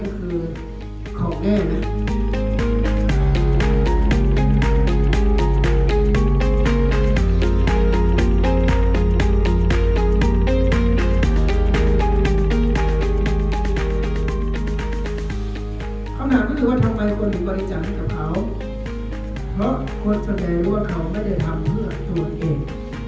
คำถามก็คือว่าทำไมคนถึงบริจาคให้กับเขาเพราะคนแสดงว่าเขาไม่ได้ทำเพื่อตัวเอง